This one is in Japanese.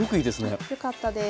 ああよかったです。